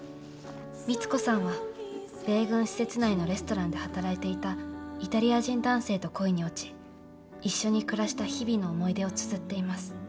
光子さんは米軍施設内のレストランで働いていたイタリア人男性と恋に落ち一緒に暮らした日々の思い出をつづっています。